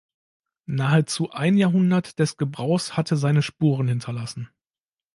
Nahezu ein Jahrhundert des Gebrauchs hatte seine Spuren hinterlassen.